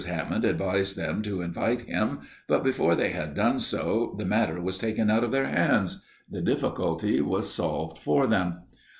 Hammond advised them to invite him, but before they had done so, the matter was taken out of their hands; the difficulty was solved for them.